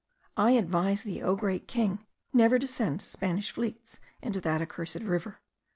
I advise thee, O great King, never to send Spanish fleets into that accursed river.